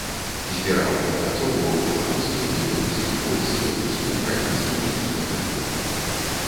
Збіраў і апрацоўваў беларускі, літоўскі, польскі, рускі, украінскі музычны фальклор.